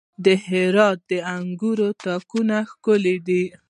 د هرات د انګورو تاکونه ښکلي دي.